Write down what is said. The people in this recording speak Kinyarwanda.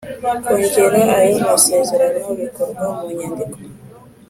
kongera ayo masezerano bikorwa mu nyandiko.